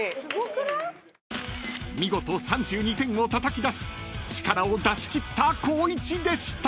［見事３２点をたたき出し力を出し切った光一でした］